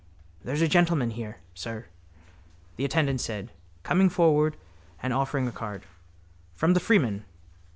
—There's a gentleman here, sir, the attendant said, coming forward and offering a card. From the _Freeman.